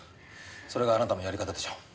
それがあなたのやり方でしょ？